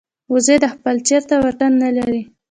وزې د خپل چرته واټن نه لري